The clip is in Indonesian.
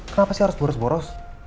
kenapa sih harus boros boros